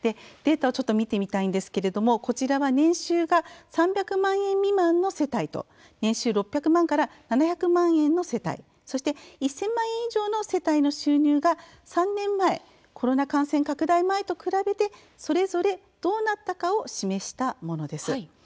データをちょっと見てみたいのですがこちらは年収が３００万円未満の世帯と年収６００万から７００万円の世帯そして１０００万円以上の世帯の収入が３年前コロナ感染拡大前と比べてそれぞれどうなったかを示したものです。